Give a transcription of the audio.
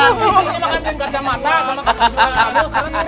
istrinya mah kan mirip garja mata sama pak tujuan kamu